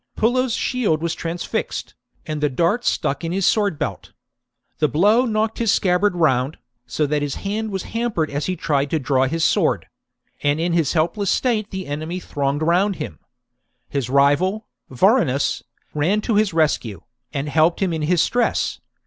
Pullo's shield was trans fixed, and the dart stuck in his sword belt. The blow knocked his scabbard round, so that his hand was hampered as he tried to draw his sword ; and in his helpless state the enemy thronged round him. His rival, Vorenus, ran to his rescue, and helped him in his stress.